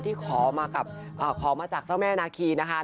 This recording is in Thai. ที่ขอมาจากเจ้าแม่นาคีนะคะ